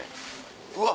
うわ！